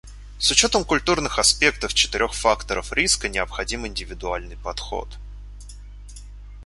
С учетом культурных аспектов четырех факторов риска необходим индивидуальный подход.